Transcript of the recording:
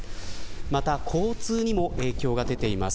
また交通にも影響が出ています。